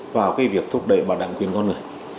vào cái việc thúc đẩy bảo đảm quyền con người